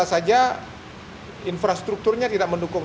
bisa saja infrastrukturnya tidak mendukung